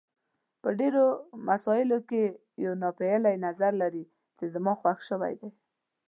په ډېرو مسایلو کې یو ناپېیلی نظر لري چې زما خوښ شوی دی.